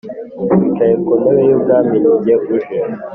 wicaye ku ntebe y ubwami ni jye uje